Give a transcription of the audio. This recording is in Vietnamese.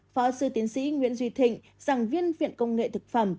phó sư tiến sĩ nguyễn duy thịnh giảng viên viện công nghệ thực phẩm